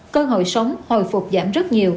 cơ hội sống hồi phục giảm rất nhiều